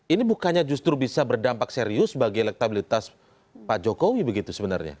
ini bukannya justru bisa berdampak serius bagi elektabilitas pak jokowi begitu sebenarnya